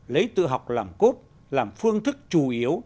lấy tự học làm cốt làm phương thức chủ yếu